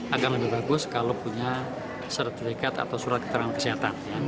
agar lebih bagus kalau punya sertifikat atau surat keterangan kesehatan